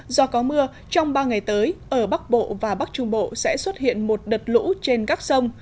do có mưa trong ba ngày tới ở bắc bộ và bắc trung bộ sẽ xuất hiện một đợt lũ trên các sông